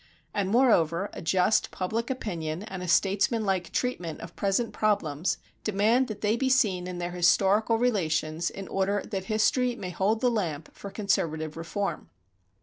And, moreover, a just public opinion and a statesmanlike treatment of present problems demand that they be seen in their historical relations in order that history may hold the lamp for conservative reform.